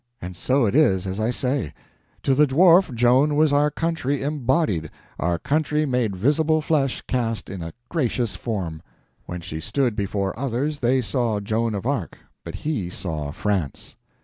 And so it is as I say; to the Dwarf, Joan was our country embodied, our country made visible flesh cast in a gracious form. When she stood before others, they saw Joan of Arc, but he saw France.